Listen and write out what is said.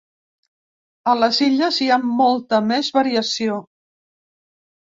A les Illes, hi ha molta més variació.